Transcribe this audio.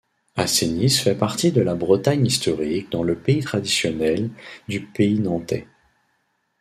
Ancenis fait partie de la Bretagne historique dans le pays traditionnel du Pays nantais.